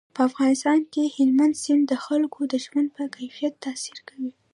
په افغانستان کې هلمند سیند د خلکو د ژوند په کیفیت تاثیر کوي.